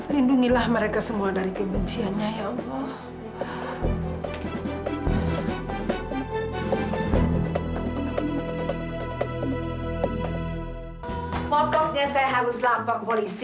lindungilah mereka semua dari kebenciannya ya allah